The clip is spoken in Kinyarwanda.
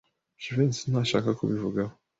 Jivency ntashaka kubivugaho.